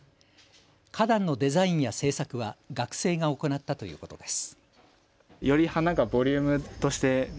花壇のデザインや製作は学生が行ったということです。